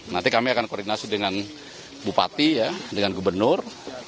nanti kami akan koordinasi dengan bupati ya dengan gubernur